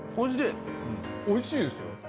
おいしいですよ。